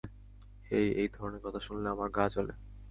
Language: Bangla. হেই, এই ধরণের কথা শুনলে আমার গা জ্বলে।